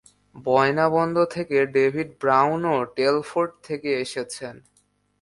বয়নাবন্দ থেকে ডেভিড ব্রাউনও টেলফোর্ড থেকে এসেছেন।